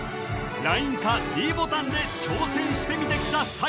ＬＩＮＥかｄボタンで挑戦してみてください